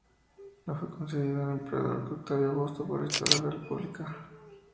Le fue concedido al Emperador Octavio Augusto por restaurar la República.